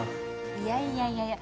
いやいやいやいや